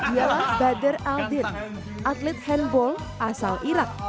ia adalah badr al din atlet handball asal irak